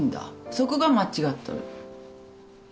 そこが間違っとる。